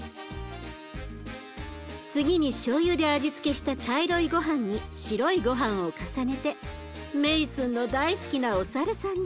次にしょうゆで味付けした茶色いごはんに白いごはんを重ねてメイスンの大好きなお猿さんに。